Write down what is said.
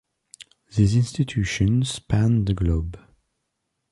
These institutions span the globe.